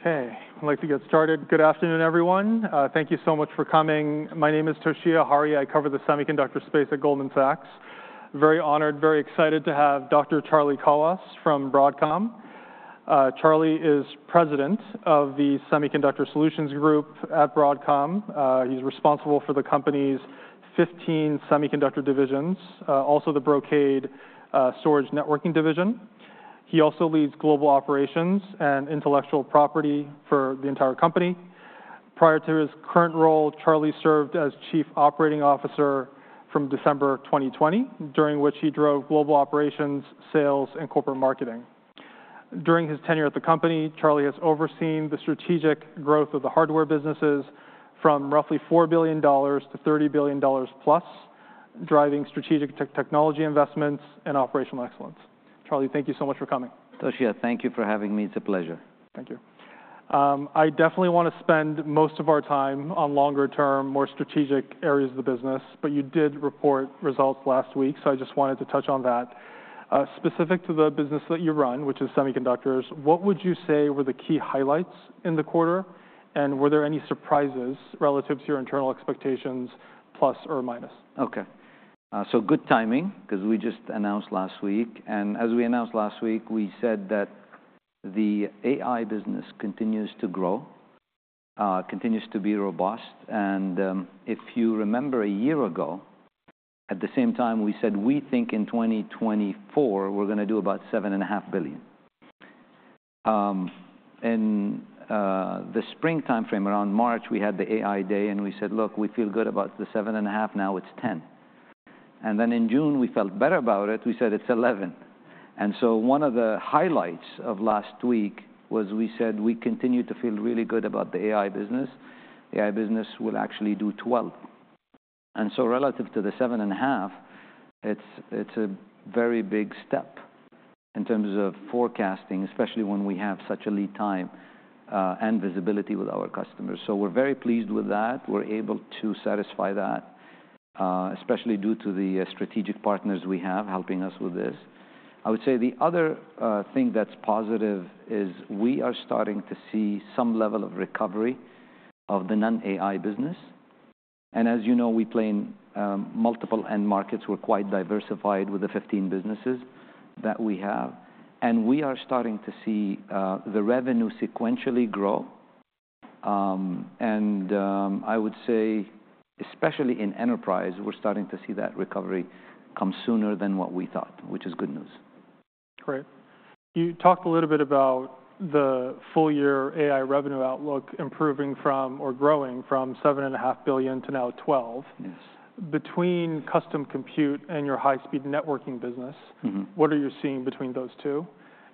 Okay, I'd like to get started. Good afternoon, everyone. Thank you so much for coming. My name is Toshiya Hari. I cover the semiconductor space at Goldman Sachs. Very honored, very excited to have Dr. Charlie Kawwas from Broadcom. Charlie is president of the Semiconductor Solutions Group at Broadcom. He's responsible for the company's 15 semiconductor divisions, also the Brocade Storage Networking division. He also leads global operations and intellectual property for the entire company. Prior to his current role, Charlie served as chief operating officer from December 2020, during which he drove global operations, sales, and corporate marketing. During his tenure at the company, Charlie has overseen the strategic growth of the hardware businesses from roughly $4 billion to $30+ billion, driving strategic technology investments and operational excellence. Charlie, thank you so much for coming. Toshiya, thank you for having me. It's a pleasure. Thank you. I definitely want to spend most of our time on longer-term, more strategic areas of the business, but you did report results last week, so I just wanted to touch on that. Specific to the business that you run, which is semiconductors, what would you say were the key highlights in the quarter? And were there any surprises relative to your internal expectations, plus or minus? Okay. So good timing, 'cause we just announced last week, and as we announced last week, we said that the AI business continues to grow, continues to be robust. And, if you remember a year ago, at the same time, we said we think in 2024 we're gonna do about $7.5 billion. In, the spring timeframe, around March, we had the AI Day, and we said: Look, we feel good about the $7.5 billion, now it's $10 billion. And then in June, we felt better about it, we said, "It's $11 billion." And so one of the highlights of last week was we said we continue to feel really good about the AI business. The AI business will actually do $12 billion. And so relative to the seven and a half, it's a very big step in terms of forecasting, especially when we have such a lead time and visibility with our customers. So we're very pleased with that. We're able to satisfy that, especially due to the strategic partners we have helping us with this. I would say the other thing that's positive is we are starting to see some level of recovery of the non-AI business, and as you know, we play in multiple end markets. We're quite diversified with the 15 businesses that we have, and we are starting to see the revenue sequentially grow. I would say, especially in enterprise, we're starting to see that recovery come sooner than what we thought, which is good news. Great. You talked a little bit about the full year AI revenue outlook improving from or growing from $7.5 billion to now $12 billion. Yes. Between custom compute and your high-speed networking business- Mm-hmm... what are you seeing between those two?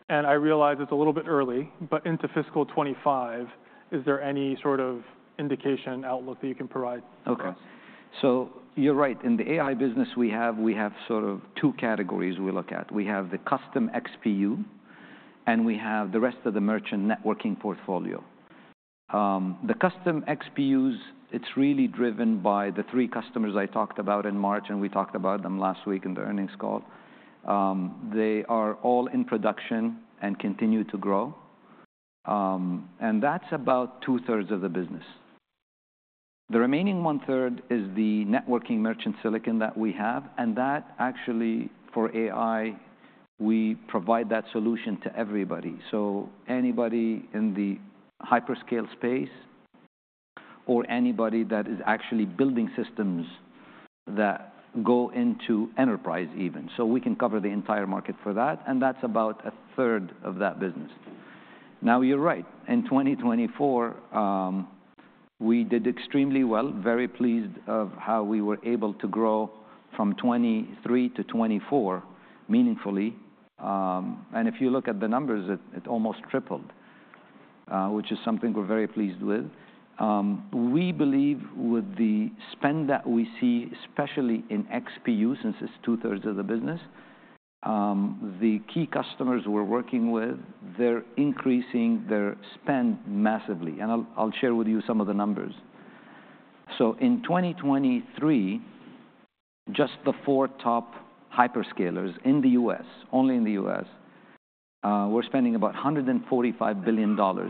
And I realize it's a little bit early, but into fiscal 2025, is there any sort of indication outlook that you can provide for us? Okay. So you're right. In the AI business, we have sort of two categories we look at. We have the custom XPU, and we have the rest of the merchant networking portfolio. The custom XPUs, it's really driven by the three customers I talked about in March, and we talked about them last week in the earnings call. They are all in production and continue to grow, and that's about 2/3 of the business. The remaining 1/3 is the networking merchant silicon that we have, and that actually, for AI, we provide that solution to everybody, so anybody in the hyperscale space or anybody that is actually building systems that go into enterprise even. So we can cover the entire market for that, and that's about a third of that business. Now, you're right. In 2024, we did extremely well, very pleased of how we were able to grow from 2023 to 2024 meaningfully, and if you look at the numbers, it almost tripled, which is something we're very pleased with. We believe with the spend that we see, especially in XPU, since it's 2/3 of the business, the key customers we're working with, they're increasing their spend massively, and I'll share with you some of the numbers, so in 2023, just the four top hyperscalers in the U.S., only in the U.S., were spending about $145 billion on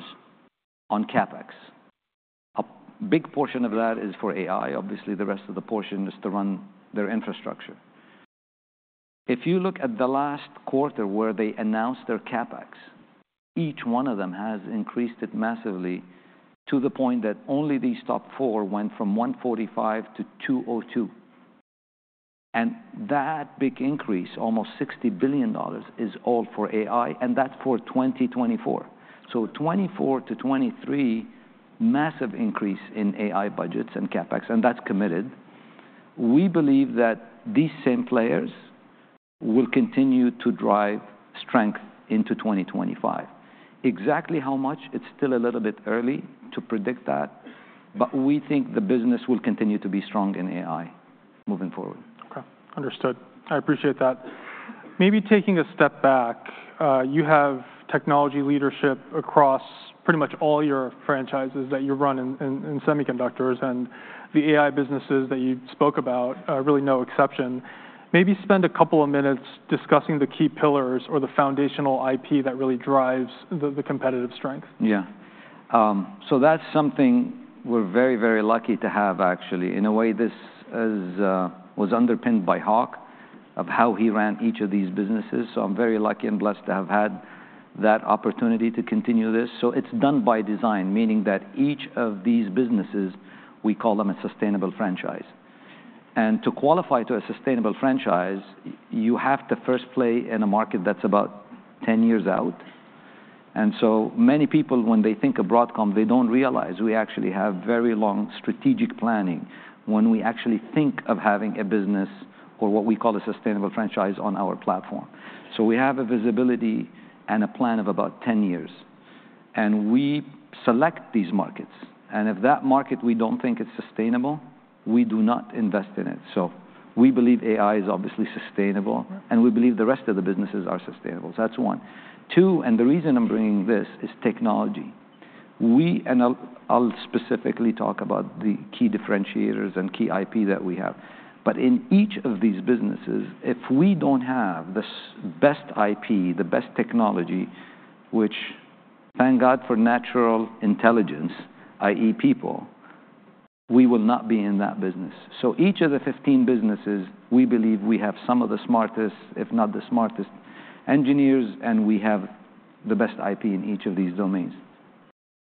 CapEx. A big portion of that is for AI. Obviously, the rest of the portion is to run their infrastructure. If you look at the last quarter where they announced their CapEx, each one of them has increased it massively to the point that only these top four went from $145 billion to $202 billion, and that big increase, almost $60 billion, is all for AI, and that's for 2024, so from 2024 to 2023, massive increase in AI budgets and CapEx, and that's committed. We believe that these same players will continue to drive strength into 2025. Exactly how much, it's still a little bit early to predict that, but we think the business will continue to be strong in AI moving forward. Okay, understood. I appreciate that. Maybe taking a step back, you have technology leadership across pretty much all your franchises that you run in semiconductors, and the AI businesses that you spoke about are really no exception. Maybe spend a couple of minutes discussing the key pillars or the foundational IP that really drives the competitive strength. Yeah. So that's something we're very, very lucky to have, actually. In a way, this is was underpinned by Hock, of how he ran each of these businesses, so I'm very lucky and blessed to have had that opportunity to continue this, so it's done by design, meaning that each of these businesses, we call them a sustainable franchise, and to qualify to a sustainable franchise, you have to first play in a market that's about ten years out, and so many people, when they think of Broadcom, they don't realize we actually have very long strategic planning when we actually think of having a business or what we call a sustainable franchise on our platform, so we have a visibility and a plan of about ten years, and we select these markets, and if that market we don't think is sustainable, we do not invest in it. So we believe AI is obviously sustainable- Mm-hmm. And we believe the rest of the businesses are sustainable. So that's one. Two, and the reason I'm bringing this, is technology. And I'll specifically talk about the key differentiators and key IP that we have. But in each of these businesses, if we don't have the best IP, the best technology, which, thank God for natural intelligence, i.e. people, we will not be in that business. So each of the fifteen businesses, we believe we have some of the smartest, if not the smartest, engineers, and we have the best IP in each of these domains.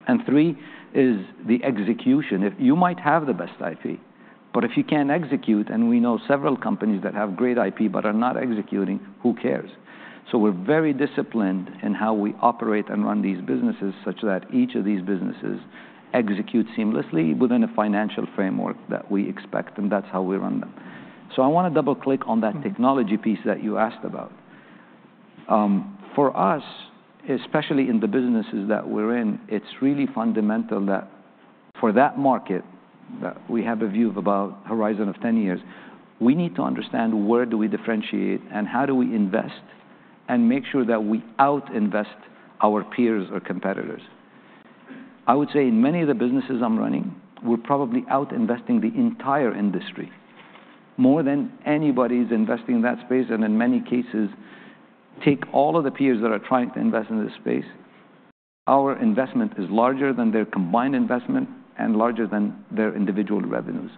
And three is the execution. If you might have the best IP, but if you can't execute, and we know several companies that have great IP but are not executing, who cares? So we're very disciplined in how we operate and run these businesses, such that each of these businesses execute seamlessly within a financial framework that we expect, and that's how we run them. So I wanna double-click on that technology piece that you asked about. For us, especially in the businesses that we're in, it's really fundamental that for that market, that we have a view of about horizon of ten years. We need to understand where do we differentiate, and how do we invest and make sure that we out-invest our peers or competitors? I would say in many of the businesses I'm running, we're probably out-investing the entire industry, more than anybody's investing in that space, and in many cases, take all of the peers that are trying to invest in this space, our investment is larger than their combined investment and larger than their individual revenues.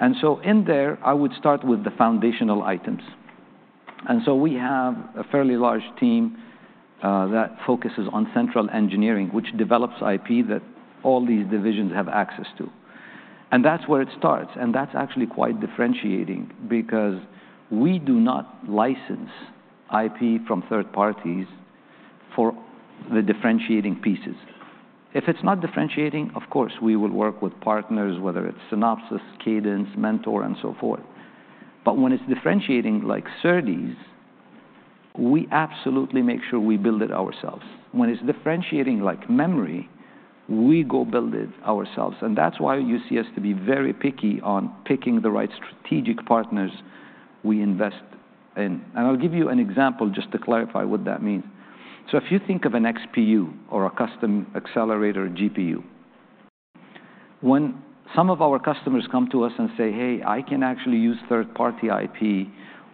And so in there, I would start with the foundational items. And so we have a fairly large team that focuses on Central Engineering, which develops IP that all these divisions have access to. And that's where it starts, and that's actually quite differentiating because we do not license IP from third parties for the differentiating pieces. If it's not differentiating, of course, we will work with partners, whether it's Synopsys, Cadence, Mentor, and so forth. But when it's differentiating, like SerDes, we absolutely make sure we build it ourselves. When it's differentiating like memory, we go build it ourselves, and that's why you see us to be very picky on picking the right strategic partners we invest in. And I'll give you an example just to clarify what that means. So if you think of an XPU or a custom accelerator GPU, when some of our customers come to us and say, "Hey, I can actually use third-party IP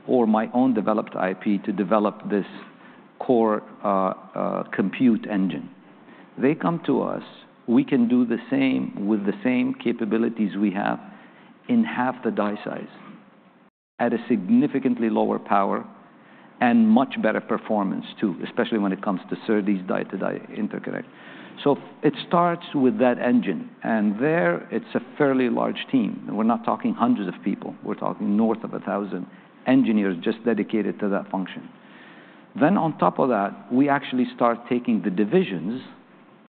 or my own developed IP to develop this core, compute engine," they come to us. We can do the same with the same capabilities we have in half the die size, at a significantly lower power and much better performance, too, especially when it comes to SerDes die-to-die interconnect. So it starts with that engine, and there it's a fairly large team. We're not talking hundreds of people. We're talking North of 1,000 engineers just dedicated to that function. Then on top of that, we actually start taking the divisions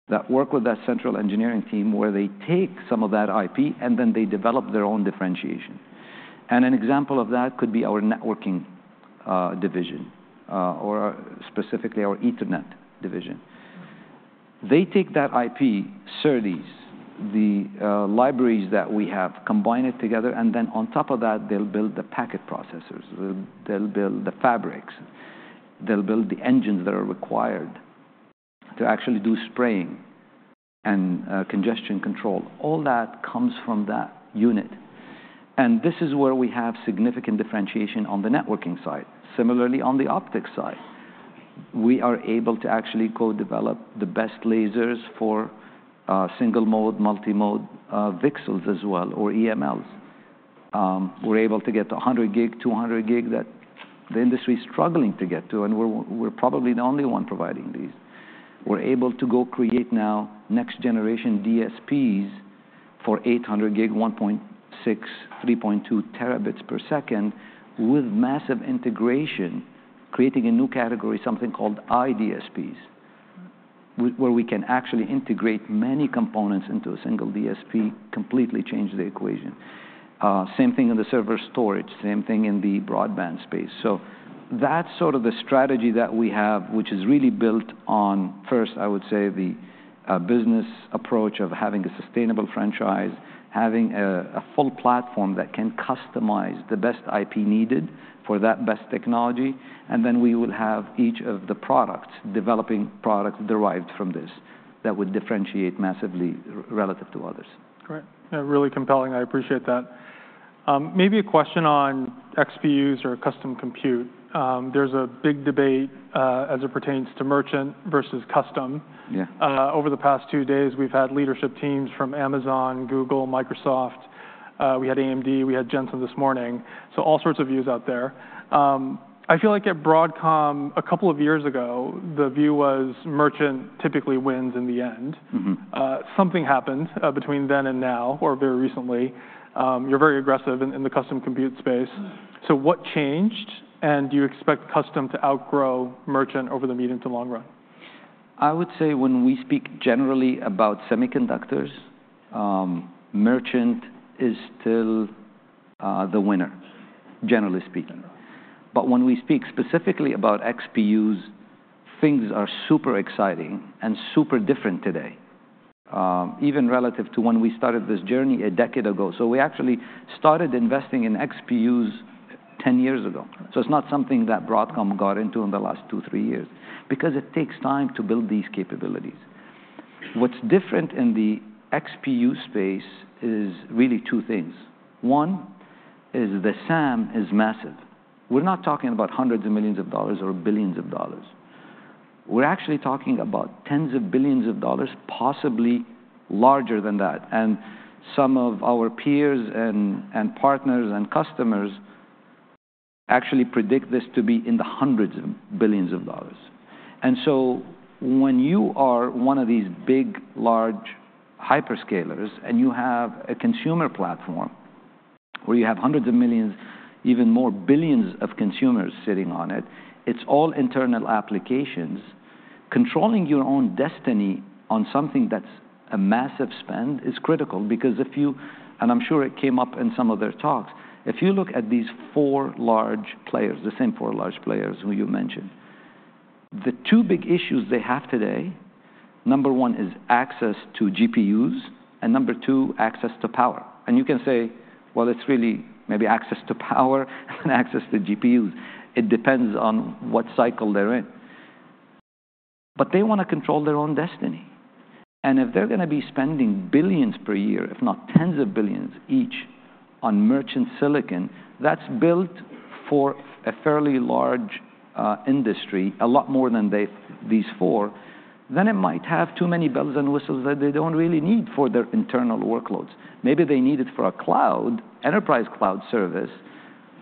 that work with that Central Engineering team, where they take some of that IP, and then they develop their own differentiation. And an example of that could be our networking division or specifically our Ethernet division. They take that IP, SerDes, the libraries that we have, combine it together, and then on top of that, they'll build the packet processors, they'll build the fabrics, they'll build the engines that are required to actually do spraying and congestion control. All that comes from that unit. And this is where we have significant differentiation on the networking side. Similarly, on the optics side, we are able to actually co-develop the best lasers for single mode, multimode, VCSELs as well, or EMLs. We're able to get to a hundred gig, two hundred gig that the industry is struggling to get to, and we're probably the only one providing these. We're able to go create now next generation DSPs for 800 gig, 1.6, 3.2 Tbps with massive integration, creating a new category, something called IDSPs, where we can actually integrate many components into a single DSP, completely change the equation. Same thing in the server storage, same thing in the broadband space. So that's sort of the strategy that we have, which is really built on, first, I would say, the business approach of having a sustainable franchise, having a full platform that can customize the best IP needed for that best technology, and then we will have each of the products, developing products derived from this, that would differentiate massively relative to others. Great. Really compelling. I appreciate that. Maybe a question on XPUs or custom compute. There's a big debate as it pertains to merchant versus custom. Yeah. Over the past two days, we've had leadership teams from Amazon, Google, Microsoft, we had AMD, we had Jensen this morning, so all sorts of views out there. I feel like at Broadcom, a couple of years ago, the view was merchant typically wins in the end. Mm-hmm. Something happened between then and now, or very recently. You're very aggressive in the custom compute space. So what changed, and do you expect custom to outgrow merchant over the medium to long run? I would say when we speak generally about semiconductors, merchant is still the winner, generally speaking. But when we speak specifically about XPUs, things are super exciting and super different today, even relative to when we started this journey a decade ago. So we actually started investing in XPUs 10 years ago, so it's not something that Broadcom got into in the last two, three years, because it takes time to build these capabilities. What's different in the XPU space is really two things. One is the SAM is massive. We're not talking about hundreds of millions of dollars or billions of dollars. We're actually talking about tens of billions of dollars, possibly larger than that, and some of our peers and partners, and customers actually predict this to be in the hundreds of billions of dollars. And so when you are one of these big, large hyperscalers, and you have a consumer platform where you have hundreds of millions, even more, billions of consumers sitting on it, it's all internal applications. Controlling your own destiny on something that's a massive spend is critical because if you... And I'm sure it came up in some of their talks, if you look at these four large players, the same four large players who you mentioned, the two big issues they have today, number one is access to GPUs, and number two, access to power. And you can say, well, it's really maybe access to power and access to GPUs. It depends on what cycle they're in. But they wanna control their own destiny, and if they're gonna be spending billions per year, if not tens of billions each, on merchant silicon that's built for a fairly large industry, a lot more than these four, then it might have too many bells and whistles that they don't really need for their internal workloads. Maybe they need it for a cloud, enterprise cloud service,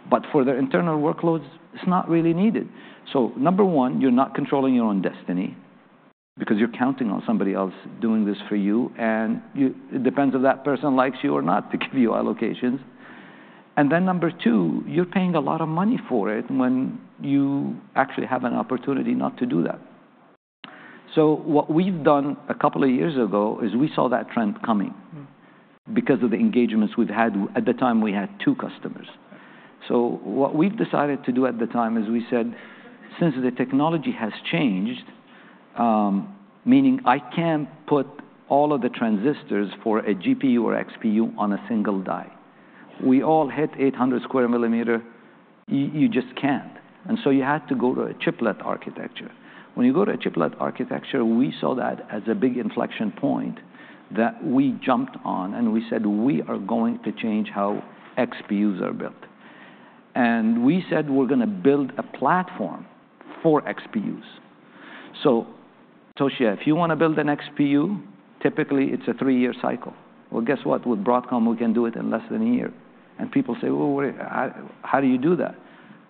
but for their internal workloads, it's not really needed. So number one, you're not controlling your own destiny because you're counting on somebody else doing this for you, and it depends if that person likes you or not to give you allocations. And then number two, you're paying a lot of money for it when you actually have an opportunity not to do that. So what we've done a couple of years ago is we saw that trend coming- Mm... because of the engagements we've had. At the time, we had two customers. So what we've decided to do at the time is we said, "Since the technology has changed," meaning I can't put all of the transistors for a GPU or XPU on a single die. We all hit 800 square millimeters. You just can't, and so you had to go to a chiplet architecture. When you go to a chiplet architecture, we saw that as a big inflection point that we jumped on, and we said, "We are going to change how XPUs are built." And we said, "We're gonna build a platform for XPUs." So, Toshiya, if you wanna build an XPU, typically it's a three-year cycle. Well, guess what? With Broadcom, we can do it in less than a year. People say, "Well, wait, how do you do that?"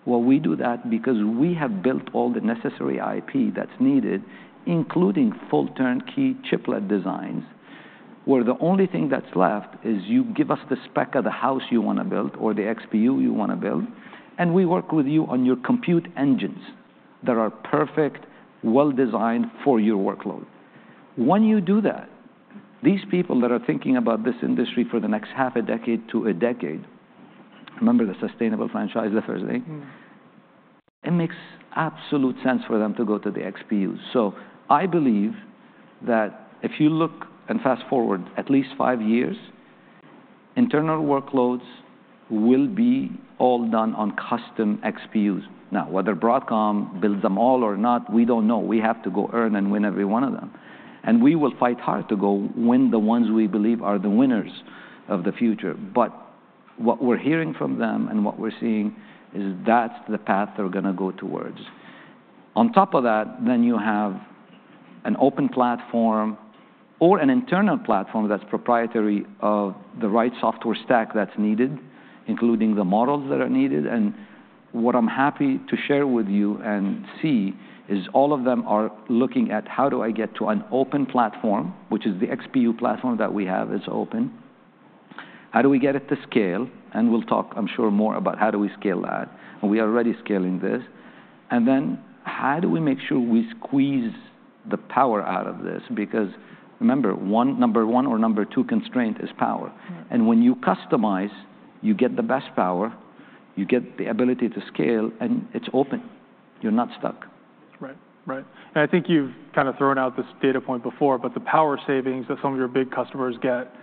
We do that because we have built all the necessary IP that's needed, including full turnkey chiplet designs, where the only thing that's left is you give us the spec of the house you wanna build or the XPU you wanna build, and we work with you on your compute engines that are perfect, well-designed for your workload. When you do that, these people that are thinking about this industry for the next half a decade to a decade, remember the sustainable franchisor thing? Mm. It makes absolute sense for them to go to the XPU. So I believe that if you look and fast-forward at least five years, internal workloads will be all done on custom XPUs. Now, whether Broadcom builds them all or not, we don't know. We have to go earn and win every one of them, and we will fight hard to go win the ones we believe are the winners of the future. But what we're hearing from them and what we're seeing is that's the path they're gonna go towards. On top of that, then you have an open platform or an internal platform that's proprietary of the right software stack that's needed, including the models that are needed. What I'm happy to share with you and see is all of them are looking at how do I get to an open platform, which is the XPU platform that we have is open. How do we get it to scale? And we'll talk, I'm sure, more about how do we scale that, and we are already scaling this. And then how do we make sure we squeeze the power out of this? Because remember, one or number two constraint is power. Right. When you customize, you get the best power, you get the ability to scale, and it's open. You're not stuck. Right. Right, and I think you've kind of thrown out this data point before, but the power savings that some of your big customers get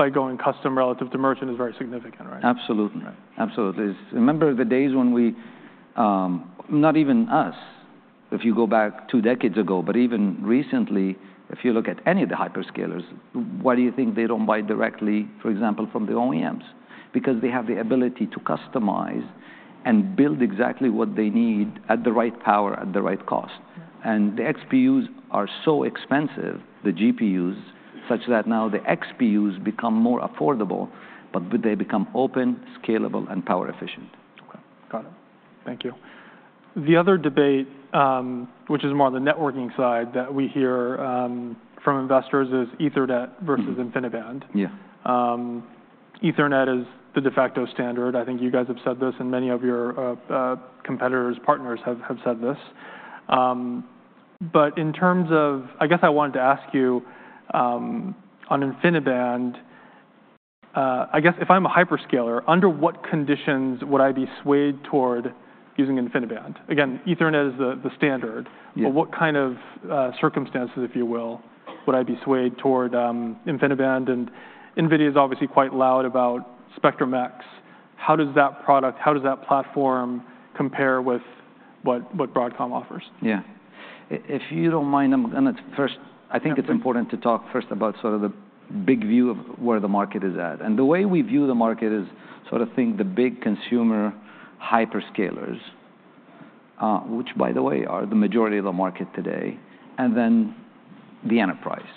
by going custom relative to merchant is very significant, right? Absolutely. Right. Absolutely. Remember the days when we... Not even us, if you go back two decades ago, but even recently, if you look at any of the hyperscalers, why do you think they don't buy directly, for example, from the OEMs? Because they have the ability to customize and build exactly what they need at the right power, at the right cost, and the XPUs are so expensive, the GPUs, such that now the XPUs become more affordable, but they become open, scalable, and power efficient. Okay, got it. Thank you. The other debate, which is more on the networking side, that we hear, from investors is Ethernet versus InfiniBand. Mm-hmm. Yeah. Ethernet is the de facto standard. I think you guys have said this, and many of your competitors, partners have said this. But in terms of... I guess I wanted to ask you, on InfiniBand, I guess if I'm a hyperscaler, under what conditions would I be swayed toward using InfiniBand? Again, Ethernet is the standard. Yeah. But what kind of circumstances, if you will, would I be swayed toward InfiniBand? And NVIDIA is obviously quite loud about Spectrum-X. How does that product, how does that platform compare with what Broadcom offers? Yeah. If you don't mind, I'm gonna first- Yeah, please. I think it's important to talk first about sort of the big view of where the market is at. And the way we view the market is sort of think the big consumer hyperscalers, which by the way, are the majority of the market today, and then the enterprise.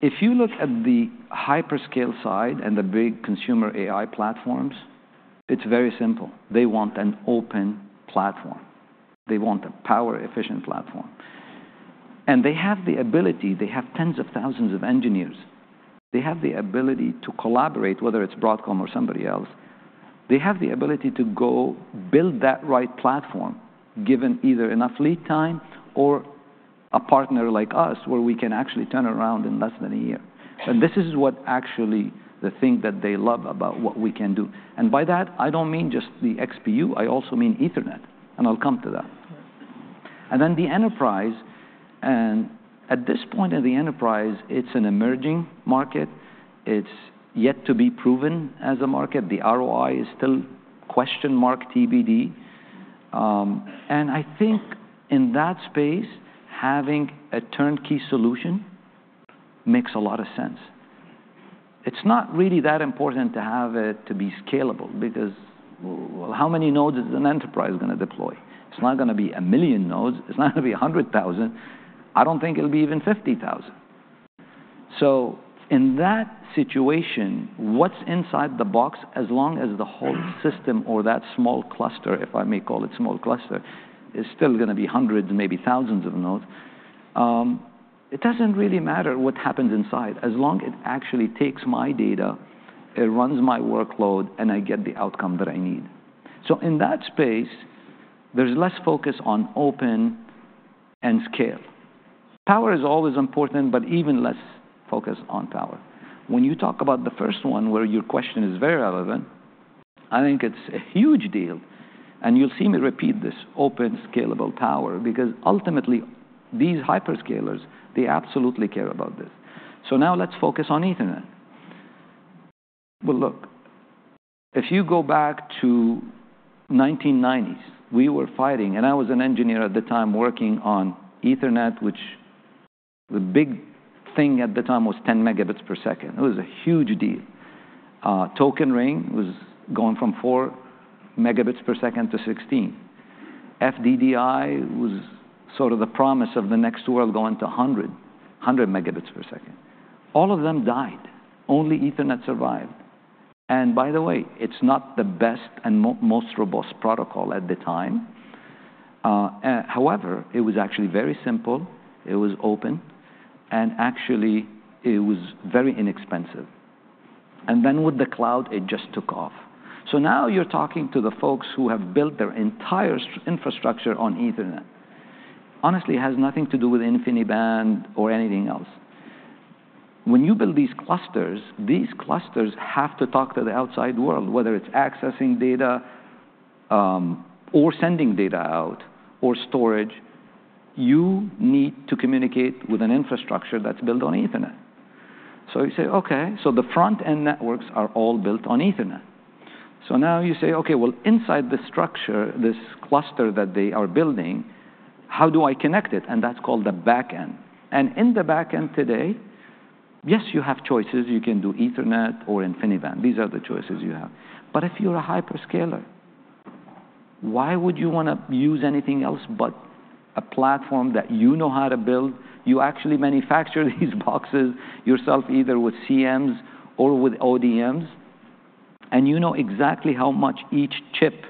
If you look at the hyperscale side and the big consumer AI platforms, it's very simple: they want an open platform. They want a power-efficient platform. And they have the ability, they have tens of thousands of engineers. They have the ability to collaborate, whether it's Broadcom or somebody else. They have the ability to go build that right platform, given either enough lead time or a partner like us, where we can actually turn around in less than a year. And this is what actually the thing that they love about what we can do. By that, I don't mean just the XPU. I also mean Ethernet, and I'll come to that. Right. And then the enterprise, and at this point in the enterprise, it's an emerging market. It's yet to be proven as a market. The ROI is still question mark, TBD. And I think in that space, having a turnkey solution makes a lot of sense. It's not really that important to have it to be scalable, because how many nodes is an enterprise going to deploy? It's not going to be a million nodes. It's not going to be 100,000. I don't think it'll be even 50,000. So in that situation, what's inside the box, as long as the whole system or that small cluster, if I may call it small cluster, is still going to be hundreds, maybe thousands of nodes. It doesn't really matter what happens inside, as long as it actually takes my data, it runs my workload, and I get the outcome that I need. So in that space, there's less focus on open and scale. Power is always important, but even less focus on power. When you talk about the first one, where your question is very relevant, I think it's a huge deal, and you'll see me repeat this: open, scalable power, because ultimately, these hyperscalers, they absolutely care about this. So now let's focus on Ethernet. Look, if you go back to 1990s, we were fighting, and I was an engineer at the time, working on Ethernet, which the big thing at the time was 10 Mbps. It was a huge deal. Token Ring was going from 4 Mbps to 16. FDDI was sort of the promise of the next world going to 100 Mbps. All of them died. Only Ethernet survived. By the way, it's not the best and most robust protocol at the time. However, it was actually very simple, it was open, and actually, it was very inexpensive. Then with the cloud, it just took off. Now you're talking to the folks who have built their entire infrastructure on Ethernet. Honestly, it has nothing to do with InfiniBand or anything else. When you build these clusters, these clusters have to talk to the outside world, whether it's accessing data, or sending data out, or storage, you need to communicate with an infrastructure that's built on Ethernet. So you say, "Okay, so the front-end networks are all built on Ethernet." So now you say, "Okay, well, inside this structure, this cluster that they are building, how do I connect it?" And that's called the back end. And in the back end today, yes, you have choices. You can do Ethernet or InfiniBand. These are the choices you have. But if you're a hyperscaler, why would you wanna use anything else but a platform that you know how to build? You actually manufacture these boxes yourself, either with CMs or with ODMs, and you know exactly how much each chip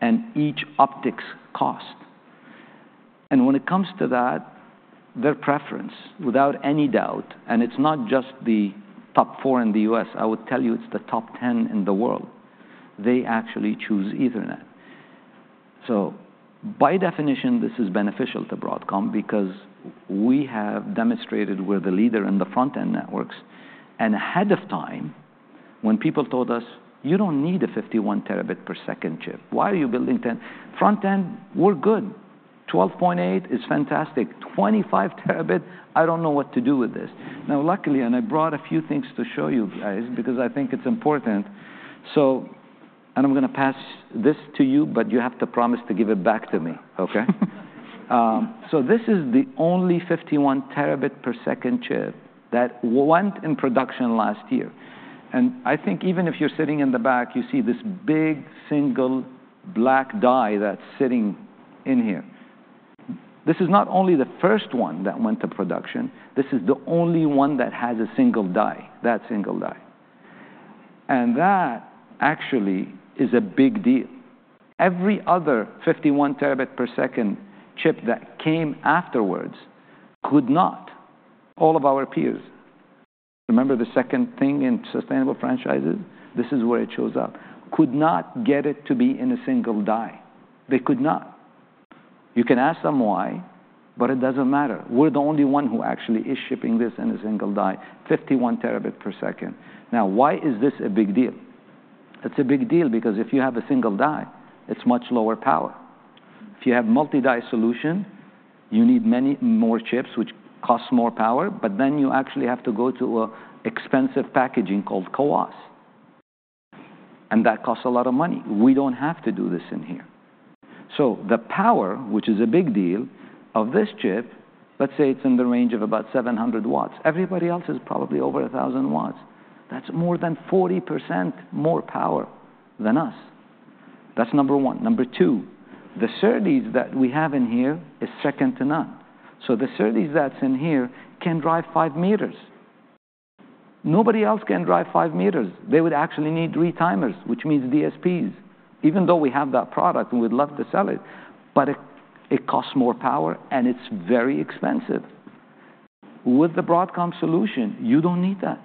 and each optics cost. And when it comes to that, their preference, without any doubt, and it's not just the top four in the U.S., I would tell you it's the top 10 in the world, they actually choose Ethernet. So by definition, this is beneficial to Broadcom because we have demonstrated we're the leader in the front-end networks. And ahead of time, when people told us, "You don't need a 51 Tbps chip. Why are you building 10? Front end, we're good. 12.8 is fantastic. 25T, I don't know what to do with this." Now, luckily, and I brought a few things to show you guys, because I think it's important. So, and I'm gonna pass this to you, but you have to promise to give it back to me, okay? So this is the only 51 Tbps chip that went in production last year, and I think even if you're sitting in the back, you see this big, single black die that's sitting in here. This is not only the first one that went to production, this is the only one that has a single die, that single die. And that actually is a big deal. Every other 51 Tbps chip that came afterwards could not, all of our peers. Remember the second thing in sustainable franchises? This is where it shows up. Could not get it to be in a single die. They could not. You can ask them why, but it doesn't matter. We're the only one who actually is shipping this in a single die, 51 Tbps. Now, why is this a big deal? It's a big deal because if you have a single die, it's much lower power. If you have multi-die solution, you need many more chips, which costs more power, but then you actually have to go to a expensive packaging called CoWoS, and that costs a lot of money. We don't have to do this in here. So the power, which is a big deal, of this chip, let's say it's in the range of about 700 W. Everybody else is probably over a 1,000 W. That's more than 40% more power than us. That's number one. Number two, the SerDes that we have in here is second to none. So the SerDes that's in there can drive 5 meters. Nobody else can drive 5 meters. They would actually need retimers, which means DSPs, even though we have that product, and we'd love to sell it, but it costs more power, and it's very expensive. With the Broadcom solution, you don't need that.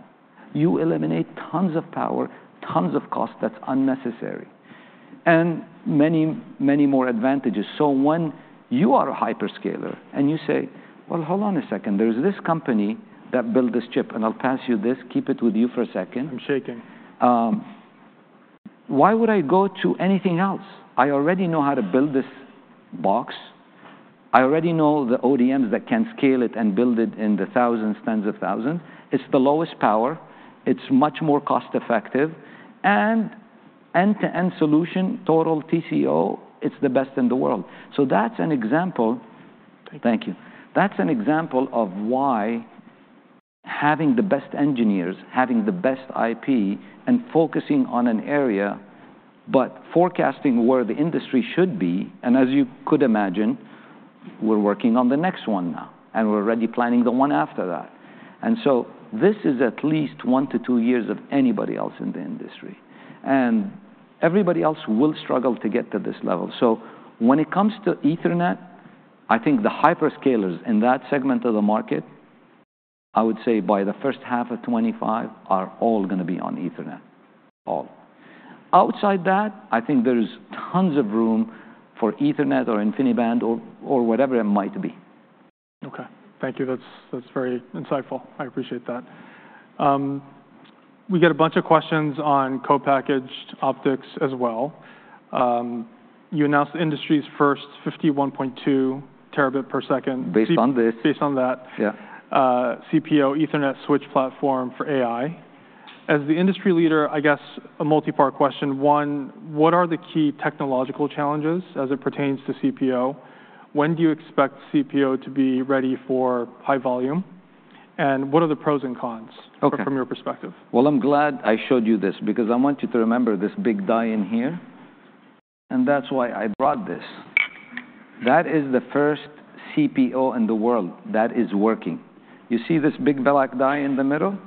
You eliminate tons of power, tons of cost that's unnecessary, and many, many more advantages. So when you are a hyperscaler and you say, "Well, hold on a second, there is this company that built this chip," and I'll pass you this. Keep it with you for a second. I'm shaking. Why would I go to anything else? I already know how to build this box. I already know the ODMs that can scale it and build it in the thousands, tens of thousands. It's the lowest power. It's much more cost-effective, and end-to-end solution, total TCO, it's the best in the world. So that's an example. Thank you. Thank you. That's an example of why having the best engineers, having the best IP, and focusing on an area, but forecasting where the industry should be, and as you could imagine, we're working on the next one now, and we're already planning the one after that. And so this is at least one to two years of anybody else in the industry, and everybody else will struggle to get to this level. So when it comes to Ethernet, I think the hyperscalers in that segment of the market, I would say by the first half of 2025, are all gonna be on Ethernet. All. Outside that, I think there is tons of room for Ethernet or InfiniBand or, or whatever it might be. Okay, thank you. That's, that's very insightful. I appreciate that. We get a bunch of questions on co-packaged optics as well. You announced the industry's first 51.2 Tbps Based on this. Based on that- Yeah... CPO Ethernet switch platform for AI. As the industry leader, I guess a multi-part question. One, what are the key technological challenges as it pertains to CPO? When do you expect CPO to be ready for high volume? And what are the pros and cons- Okay... from your perspective? I'm glad I showed you this because I want you to remember this big die in here, and that's why I brought this. That is the first CPO in the world that is working. You see this big black die in the middle?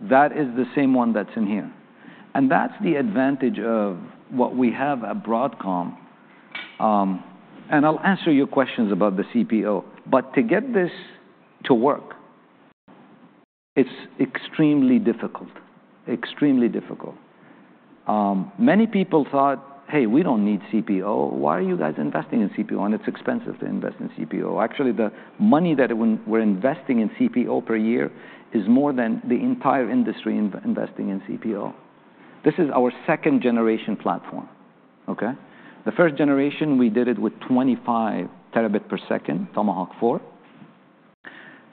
That is the same one that's in here, and that's the advantage of what we have at Broadcom. And I'll answer your questions about the CPO, but to get this to work, it's extremely difficult. Extremely difficult. Many people thought, "Hey, we don't need CPO. Why are you guys investing in CPO? And it's expensive to invest in CPO." Actually, the money that we're investing in CPO per year is more than the entire industry investing in CPO. This is our second-generation platform, okay? The first generation, we did it with 25 Tbps, Tomahawk 4.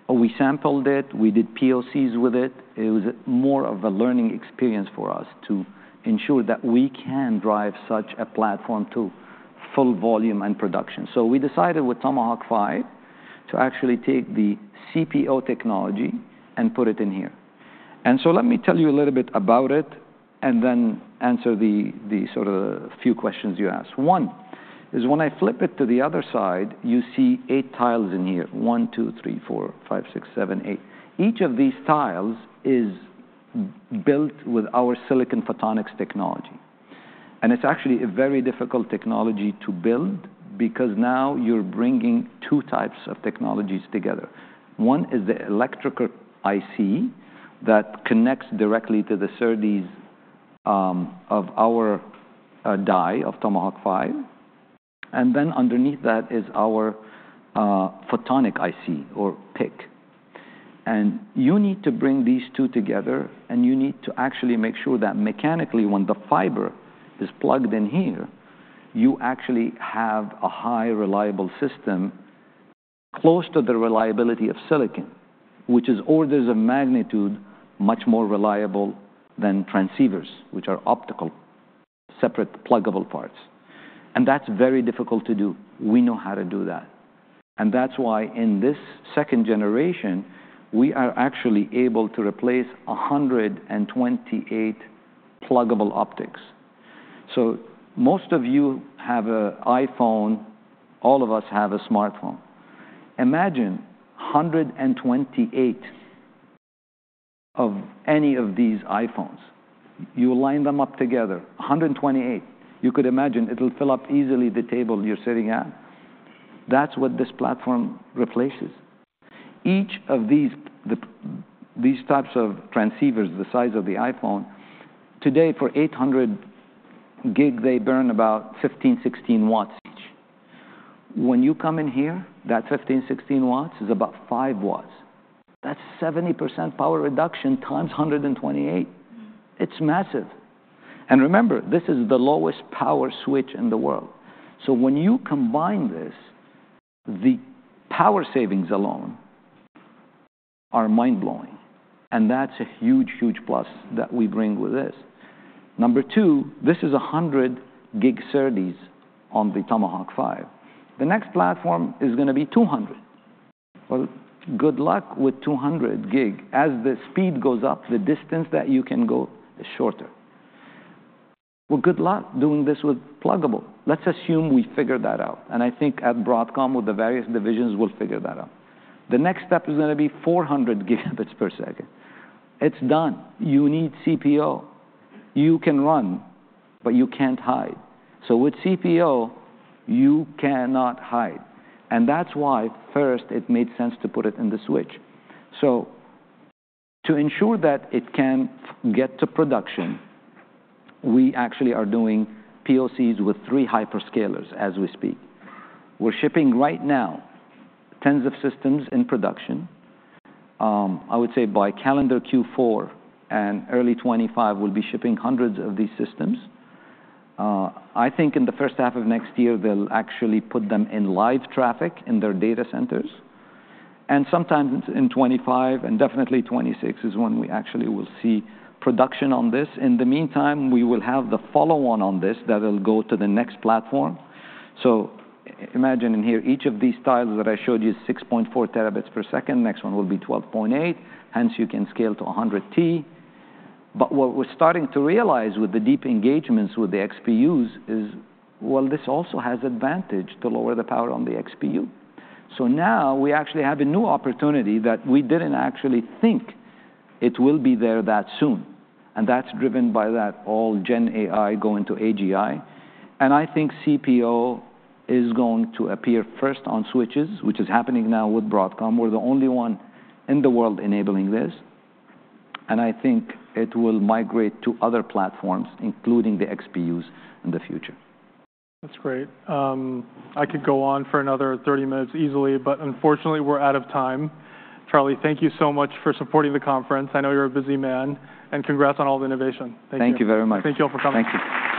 We sampled it. We did POCs with it. It was more of a learning experience for us to ensure that we can drive such a platform to full volume and production. So we decided with Tomahawk 5 to actually take the CPO technology and put it in here. And so let me tell you a little bit about it and then answer the sort of few questions you asked. One, is when I flip it to the other side, you see eight tiles in here. One, two, three, four, five, six, seven, eight. Each of these tiles is built with our silicon photonics technology, and it's actually a very difficult technology to build because now you're bringing two types of technologies together. One is the electrical IC that connects directly to the SerDes of our die of Tomahawk 5, and then underneath that is our photonic IC or PIC. And you need to bring these two together, and you need to actually make sure that mechanically, when the fiber is plugged in here, you actually have a high reliable system... close to the reliability of silicon, which is orders of magnitude much more reliable than transceivers, which are optical, separate pluggable parts. And that's very difficult to do. We know how to do that, and that's why in this second generation, we are actually able to replace a hundred and twenty-eight pluggable optics. So most of you have a iPhone. All of us have a smartphone. Imagine hundred and twenty-eight of any of these iPhones. You line them up together, 128. You could imagine it'll fill up easily the table you're sitting at. That's what this platform replaces. Each of these types of transceivers, the size of the iPhone, today, for 800 gig, they burn about 15 W, 16 W each. When you come in here, that 15 W, 16 W is about 5 W. That's 70% power reduction times 128. It's massive. Remember, this is the lowest power switch in the world. When you combine this, the power savings alone are mind-blowing, and that's a huge, huge plus that we bring with this. Number two, this is a 100 gig SerDes on the Tomahawk 5. The next platform is gonna be 200. Good luck with 200 gig. As the speed goes up, the distance that you can go is shorter. Good luck doing this with pluggable. Let's assume we figured that out, and I think at Broadcom, with the various divisions, we'll figure that out. The next step is gonna be four hundred gigabits per second. It's done. You need CPO. You can run, but you can't hide. So with CPO, you cannot hide, and that's why, first, it made sense to put it in the switch. So to ensure that it can get to production, we actually are doing POCs with three hyperscalers as we speak. We're shipping right now tens of systems in production. I would say by calendar Q4 and early 2025, we'll be shipping hundreds of these systems. I think in the first half of next year, they'll actually put them in live traffic in their data centers, and sometime in 2025, and definitely 2026, is when we actually will see production on this. In the meantime, we will have the follow-on on this that will go to the next platform, so imagine in here, each of these tiles that I showed you, 6.4 Tbps. Next one will be 12.8, hence you can scale to 100 T, but what we're starting to realize with the deep engagements with the XPUs is, well, this also has advantage to lower the power on the XPU, so now we actually have a new opportunity that we didn't actually think it will be there that soon, and that's driven by that all gen AI going to AGI, and I think CPO is going to appear first on switches, which is happening now with Broadcom. We're the only one in the world enabling this, and I think it will migrate to other platforms, including the XPUs in the future. That's great. I could go on for another thirty minutes easily, but unfortunately, we're out of time. Charlie, thank you so much for supporting the conference. I know you're a busy man, and congrats on all the innovation. Thank you. Thank you very much. Thank you all for coming. Thank you.